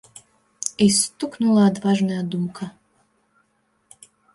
І стукнула адважная думка.